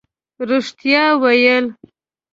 رښتیا ویل